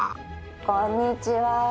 こんにちは。